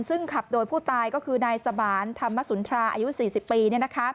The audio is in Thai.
ซึ่งขับโดยผู้ตายก็คือนายสมานธรรมสุนทราอายุ๔๐ปี